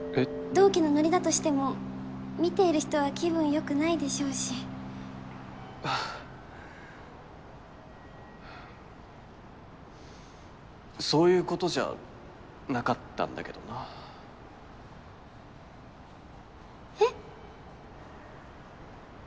同期のノリだとしても見ている人は気分よくないでしょうしそういうことじゃなかったんだけどなえっ？